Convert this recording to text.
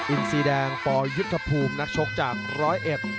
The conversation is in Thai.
อินซีแดงปยุทธภูมินักชกจากร้อยเอ็ด